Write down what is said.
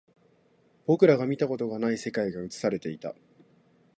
僕らが見たことがない世界が映されていた